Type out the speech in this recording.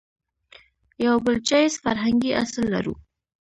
يو بل جايز فرهنګي اصل لرو